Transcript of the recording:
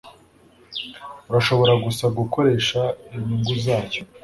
urashobora gusa gukoresha inyungu zayo